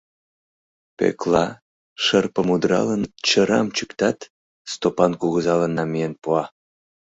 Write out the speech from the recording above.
Пӧкла, шырпым удыралын, чырам чӱктат, Стопан кугызалан намиен пуа.